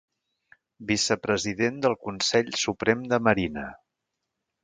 Vicepresident del Consell Suprem de Marina.